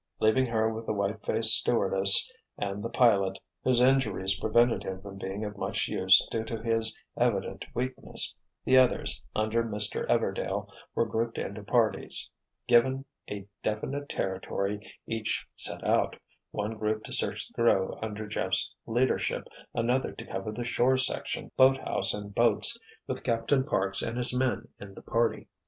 Leaving her with the white faced stewardess and the pilot, whose injuries prevented him from being of much use due to his evident weakness, the others, under Mr. Everdail, were grouped into parties. Given a definite territory, each set out, one group to search the grove under Jeff's leadership, another to cover the shore section, boathouse and boats, with Captain Parks and his men in the party.